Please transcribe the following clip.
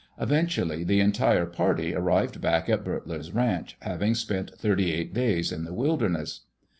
Eventually, the entire party arrived back at Boetler's Ranch, having spent 38 days in the wilderness.